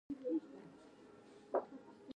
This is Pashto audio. د چا جونګړه پکې نشته د تېلو ډیوه.